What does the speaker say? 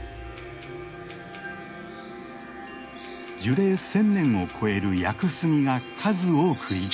樹齢１，０００年を超える屋久杉が数多く生きている。